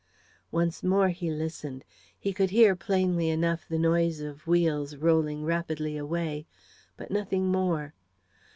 Once more he listened. He could hear, plainly enough, the noise of wheels rolling rapidly away, but nothing more.